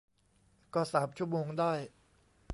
ก็สามชั่วโมงได้